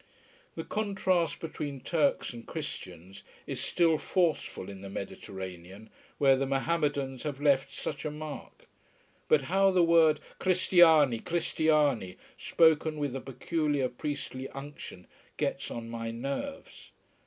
The contrast between Turks and Christians is still forceful in the Mediterranean, where the Mohammedans have left such a mark. But how the word cristiani, cristiani, spoken with a peculiar priestly unction, gets on my nerves.